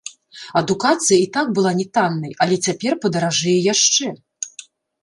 Адукацыя і так была не таннай, але цяпер падаражэе яшчэ.